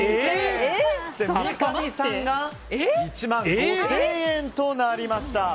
そして三上さんが１万５０００円となりました。